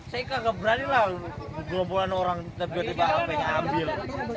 saya nggak berani lah gelombolan orang tiba tiba hampir ambil